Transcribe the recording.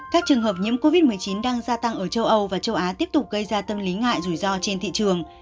các trường hợp nhiễm covid một mươi chín đang gia tăng ở châu âu và châu á tiếp tục gây ra tâm lý ngại rủi ro trên thị trường